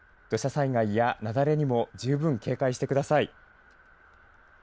土砂災害や雪崩にも十分警戒してください。